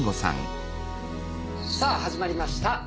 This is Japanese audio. さあ始まりました。